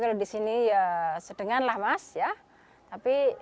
iya lebih cantik menurut mas ya